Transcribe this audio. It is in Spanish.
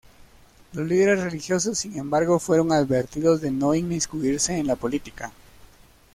Los líderes religiosos, sin embargo, fueron advertidos de no inmiscuirse en la política.